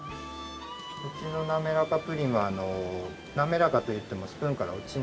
うちのなめらかプリンはなめらかといってもスプーンから落ちないで。